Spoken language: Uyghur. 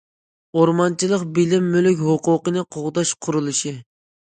ئورمانچىلىق بىلىم مۈلۈك ھوقۇقىنى قوغداش قۇرۇلۇشى.